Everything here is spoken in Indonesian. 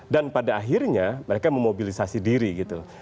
dan pada akhirnya mereka memobilisasi diri gitu